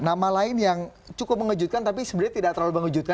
nama lain yang cukup mengejutkan tapi sebenarnya tidak terlalu mengejutkan